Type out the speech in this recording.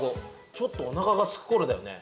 ちょっとおなかがすくころだよね。